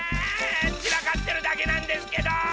ちらかってるだけなんですけど！